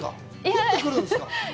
降ってくるんですか？